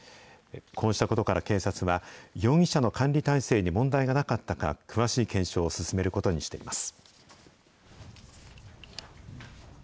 こうしたことから警察は、容疑者の管理体制に問題がなかったか、詳しい検証を進めることにしています。